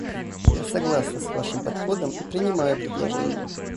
Я согласна с вашим подходом и принимаю предложение.